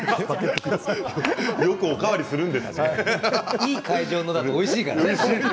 いい会場だとおいしいからね。